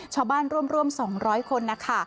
ชาวบ้านร่วม๒๐๐คนนะคะ